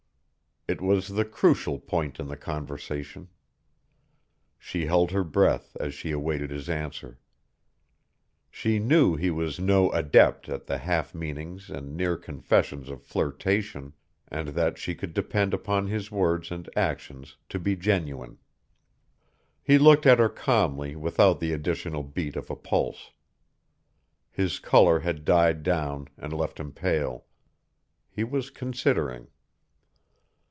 It was the crucial point in the conversation. She held her breath as she awaited his answer. She knew he was no adept at the half meanings and near confessions of flirtation, and that she could depend upon his words and actions to be genuine. He looked at her calmly without the additional beat of a pulse. His color had died down and left him pale. He was considering.